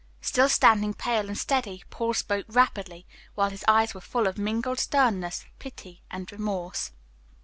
Still standing pale and steady, Paul spoke rapidly, while his eyes were full of mingled sternness, pity, and remorse.